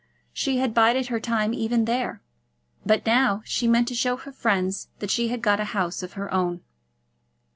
She had bided her time even there, but now she meant to show her friends that she had got a house of her own.